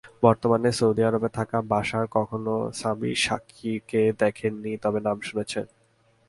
বর্তমানে সৌদি আরবে থাকা বাশার কখনো সামির শাকিরকে দেখেননি, তবে নাম শুনেছেন।